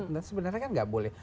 dan sebenarnya kan gak boleh